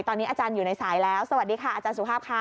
ตอนนี้อาจารย์อยู่ในสายแล้วสวัสดีค่ะอาจารย์สุภาพค่ะ